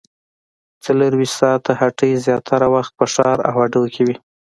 څلورویشت ساعته هټۍ زیاتره وخت په ښار او هډو کې وي